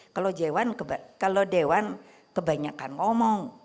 kalau dewan kebanyakan ngomong